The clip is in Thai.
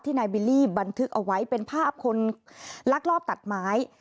นายบิลลี่บันทึกเอาไว้เป็นภาพคนลักลอบตัดไม้